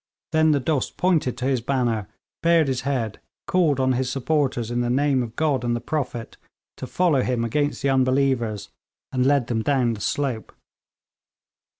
Then the Dost pointed to his banner, bared his head, called on his supporters in the name of God and the Prophet to follow him against the unbelievers, and led them down the slope.